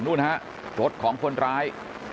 นู่นฮะรถของคนร้าย